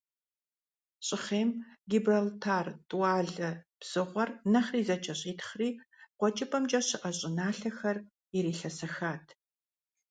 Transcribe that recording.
ЩӀыхъейм Гибралтар тӀуалэ псыгъуэр нэхъри зэкӀэщӀитхъри, КъуэкӀыпӀэмкӀэ щыӀэ щӀыналъэхэр ирилъэсэхат.